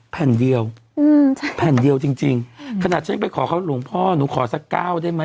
แผ่นเดียวอืมใช่แผ่นเดียวจริงจริงขนาดฉันไปขอเขาหลวงพ่อหนูขอสักก้าวได้ไหม